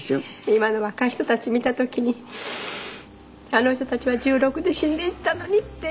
今の若い人たち見た時にあの人たちは１６で死んでいったのにって。